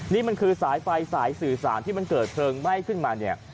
นี่มันคือสายไฟสายสื่อสารที่มันเกิดเพลิงไหม้ขึ้นมาเนี่ย